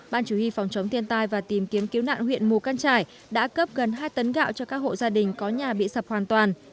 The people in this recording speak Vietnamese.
ban chủ y phòng chống thiên tai và tìm kiếm cứu nạn huyện mù căng trải đã cấp gần hai tấn gạo cho các hộ gia đình có nhà bị sập hoàn toàn